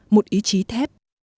một ý chí thép